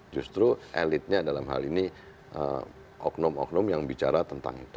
justru elitnya dalam hal ini oknum oknum yang bicara tentang itu